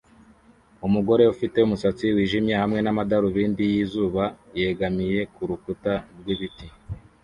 Umugore ufite umusatsi wijimye hamwe n’amadarubindi yizuba yegamiye kurukuta rwibiti